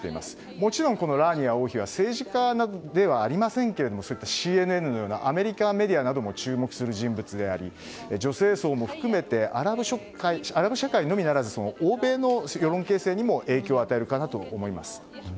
もちろんラーニア王妃は政治家ではありませんがＣＮＮのようなアメリカメディアなども注目する人物であり女性層も含めてアラブ社会のみならず欧米の世論形成にも影響を与えるかなと思います。